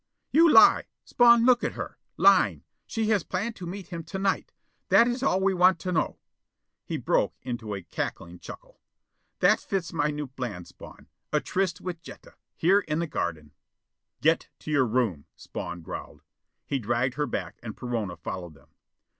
"You lie! Spawn look at her! Lying! She has planned to meet him to night! That is all we want to know." He broke into a cackling chuckle. "That fits my new plan, Spawn. A tryst with Jetta, here in the garden." "Get to your room," Spawn growled. He dragged her back, and Perona followed them.